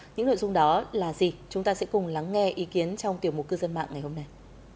những nội dung đó là gì chúng ta sẽ cùng lắng nghe ý kiến trong tiểu mục cư dân mạng ngày hôm nay